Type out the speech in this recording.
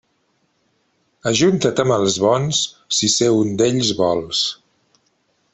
Ajunta't amb els bons, si ser un d'ells vols.